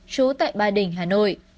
chú tại ba đình hà nội